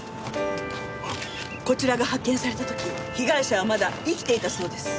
こちらが発見された時被害者はまだ生きていたそうです。